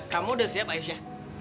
kamu udah siap aisyah